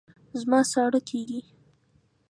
زما ساړه کېږي